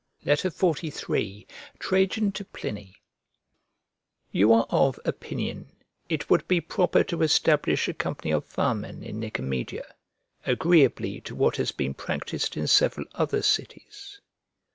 XLIII TRAJAN TO PLINY You are of opinion it would be proper to establish a company of firemen in Nicomedia, agreeably to what has been practised in several other cities.